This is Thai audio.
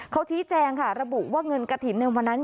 เขาชี้แจงค่ะระบุว่าเงินกระถิ่นในวันนั้น